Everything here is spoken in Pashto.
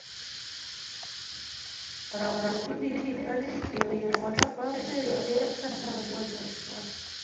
راورټي ليکي چې په يوه شپه کې ډېر کسان ووژل شول.